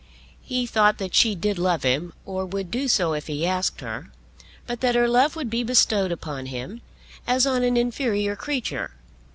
He thought that she did love him, or would do so if he asked her, but that her love would be bestowed upon him as on an inferior creature.